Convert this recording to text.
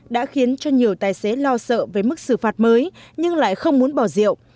đã khiến cho nhiều tài xế lo sợ với mức xử phạt mới nhưng lại không muốn bỏ rượu